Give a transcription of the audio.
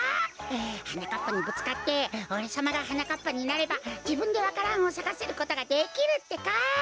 はなかっぱにぶつかっておれさまがはなかっぱになればじぶんでわか蘭をさかせることができるってか！